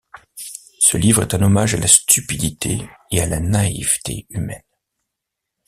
Ce livre est un hommage à la stupidité et la naïveté humaine.